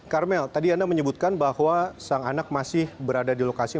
karmel tadi anda menyebutkan bahwa sang anak masih berada di lokasi